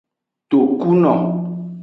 Tokuno.